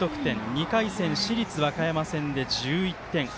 ２回戦、市立和歌山戦で１１得点。